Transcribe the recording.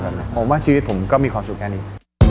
ผมว่าชีวิตผมก็มีความสุขแค่นี้